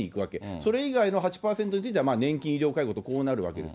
それ以外の８％については年金、医療、介護とこうなるわけです。